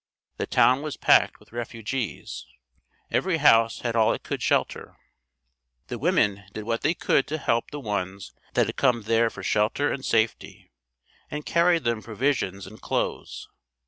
The town was packed with refugees, every house had all it could shelter. The women did what they could to help the ones that had come there for shelter and safety, and carried them provisions and clothes.